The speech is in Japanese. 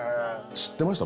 知ってました？